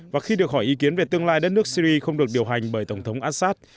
và khi được hỏi ý kiến về tương lai đất nước syri không được điều hành bởi tổng thống assad